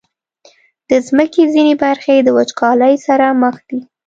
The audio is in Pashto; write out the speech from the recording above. د مځکې ځینې برخې د وچکالۍ سره مخ دي.